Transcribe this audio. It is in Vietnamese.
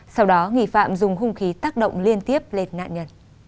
sau đó nghi phạm dùng hung khí tác động liên tiếp lên nạn nhân